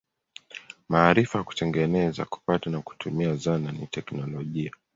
Maarifa ya kutengeneza, kupata na kutumia zana ni teknolojia.